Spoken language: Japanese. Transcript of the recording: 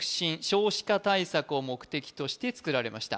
少子化対策を目的としてつくられました